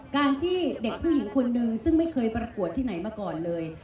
การที่เด็กผู้หญิงคนนึงซึ่งไม่เคยประกวดที่ไหนมาก่อนเลย